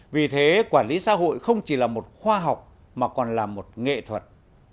vì thế quản lý xã hội không chỉ là một khoa học mà còn là một nghệ thuật